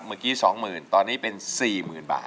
เมื่อกี้๒๐๐๐ตอนนี้เป็น๔๐๐๐บาท